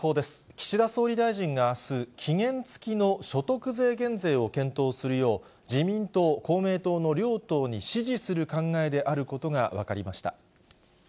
岸田総理大臣があす、期限付きの所得税減税を検討するよう、自民党、公明党の両党に指示する考えであることが分かりました。